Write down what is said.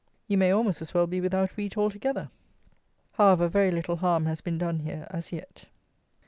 You may almost as well be without wheat altogether. However, very little harm has been done here as yet.